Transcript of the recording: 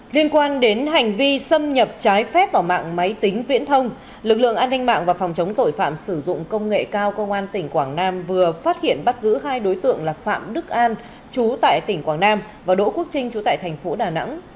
liên quan đến hành vi xâm nhập trái phép vào mạng máy tính viễn thông lực lượng an ninh mạng và phòng chống tội phạm sử dụng công nghệ cao công an tỉnh quảng nam vừa phát hiện bắt giữ hai đối tượng là phạm đức an chú tại tỉnh quảng nam và đỗ quốc trinh trú tại thành phố đà nẵng